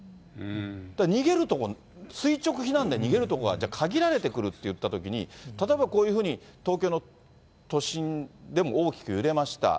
だから逃げるところ、垂直避難で逃げるところが限られてくるっていったときに、例えばこういうふうに東京の都心でも大きく揺れました。